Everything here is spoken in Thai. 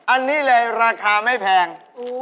อันนี้เลยราคาไม่แพง